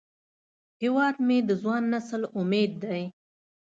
هیواد مې د ځوان نسل امید دی